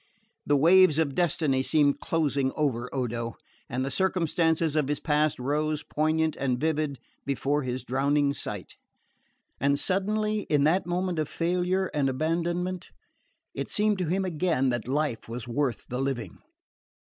The waves of destiny seemed closing over Odo, and the circumstances of his past rose, poignant and vivid, before his drowning sight. And suddenly, in that moment of failure and abandonment, it seemed to him again that life was worth the living.